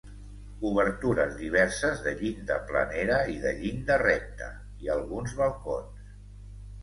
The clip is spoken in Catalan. Obertures diverses de llinda planera i de llinda recta i alguns balcons.